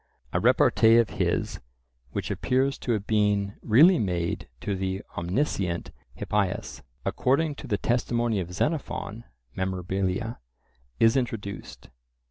A repartee of his which appears to have been really made to the "omniscient" Hippias, according to the testimony of Xenophon (Mem.), is introduced.